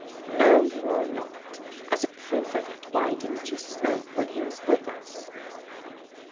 " No, you are not. As a proof of it, why didn't you smoke when he was with us